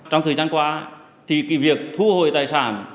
trong thời gian qua thì cái việc thu hồi tài sản